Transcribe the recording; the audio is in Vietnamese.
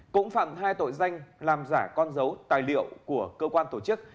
cũng phạm hai tội danh làm giả con dấu tài liệu của cơ quan tổ chức